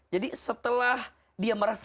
jadi setelah dia merasa bahwa